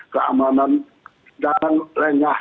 keamanan dan renyah